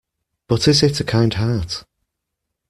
But is it a kind heart?